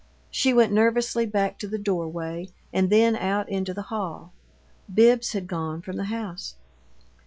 She went nervously back to the doorway, and then out into the hall. Bibbs had gone from the house.